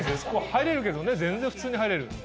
入れるけどね全然普通に入れる。